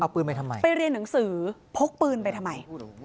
ไปเรียนหนังสือพกปืนไปทำไม